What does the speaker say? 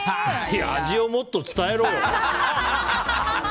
味をもっと伝えろよ。